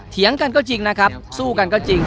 เถียงกันก็จริงนะครับสู้กันก็จริง